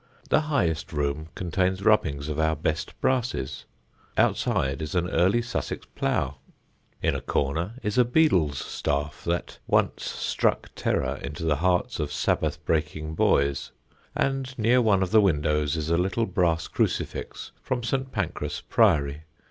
The highest room contains rubbings of our best brasses. Outside is an early Sussex plough. In a corner is a beadle's staff that once struck terror into the hearts of Sabbath breaking boys; and near one of the windows is a little brass crucifix from St. Pancras' Priory.